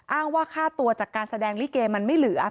อ้างว่าค่าตัวจากการแสดงลิเกมันไม่เหลือ